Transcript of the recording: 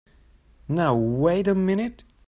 Now wait a minute!